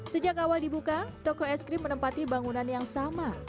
sejak awal dibuka toko es krim menempati bangunan yang sama